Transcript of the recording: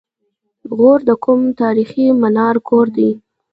غور د کوم تاریخي منار کور دی؟